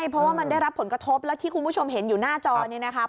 เพราะว่ามันได้รับผลกระทบและที่คุณผู้ชมเห็นอยู่หน้าจอนี้นะครับ